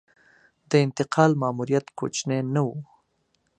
د انتقال ماموریت کوچنی نه و.